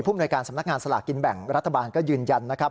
มวยการสำนักงานสลากกินแบ่งรัฐบาลก็ยืนยันนะครับ